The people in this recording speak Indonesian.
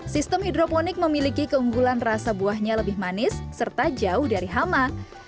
sistem hidroponik memiliki keunggulan rasa buahnya lebih manis serta jauh dari hama